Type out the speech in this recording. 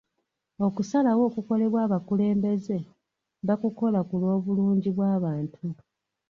Okusalawo okukolebwa abakulembeze, bakukola ku lw'obulungi bw'abantu.